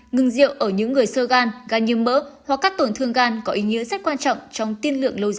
ngừng rượu ở những người sơ gan ga như mỡ hoặc các tổn thương gan có ý nghĩa rất quan trọng trong tiên lượng lâu dài